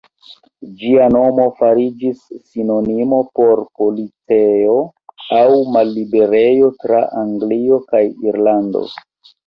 Ĝia nomo fariĝis sinonimo por policejo aŭ malliberejo tra Anglio kaj Irlando.